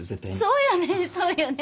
そうよねそうよね